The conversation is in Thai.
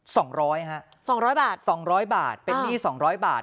สองร้อยฮะสองร้อยบาทสองร้อยบาทเป็นหนี้สองร้อยบาท